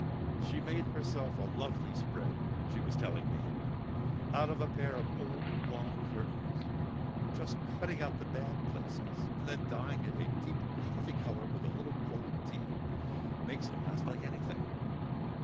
She's made herself a lovely spread, she was telling me, out of a pair of old long curtains, just cutting out the bad places and then dyeing it a deep coffee colour with a little cold tea; makes it last like anything.